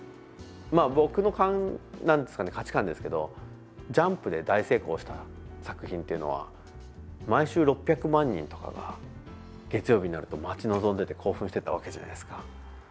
僕の価値観ですけど「ジャンプ」で大成功した作品っていうのは毎週６００万人とかが月曜日になると待ち望んでて興奮してたわけじゃないですか。